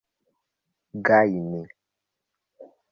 gajni